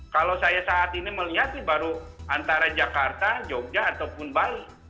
kalau saya saat ini melihat sih baru antara jakarta jogja ataupun bali